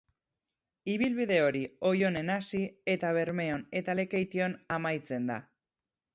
Ibilbide hori Oionen hasi eta Bermeon eta Lekeition amaitzen da.